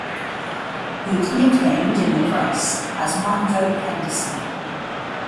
He was nicknamed, in the press, as one vote Henderson.